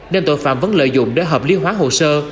nên tội phạm vẫn lợi dụng để hợp lý hóa hồ sơ